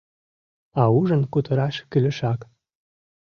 А ужын кутыраш кӱлешак.